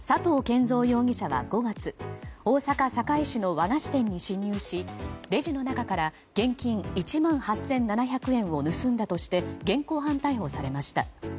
憲三容疑者は５月大阪・堺市の和菓子店に侵入しレジの中から現金１万８７００円を盗んだとして現行犯逮捕されました。